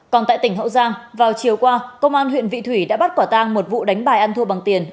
còn tại tỉnh hậu giang vào chiều qua công an huyện vị thủy đã bắt quả tang một vụ đánh bài ăn thua bằng tiền